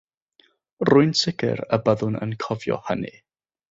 Rwy'n sicr y byddwn yn cofio hynny.